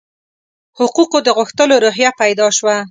حقوقو د غوښتلو روحیه پیدا شوه.